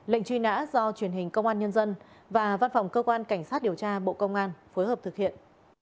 lệnh truy nã do truyền hình công an nhân dân và văn phòng cơ quan cảnh sát điều tra bộ công an phối hợp thực hiện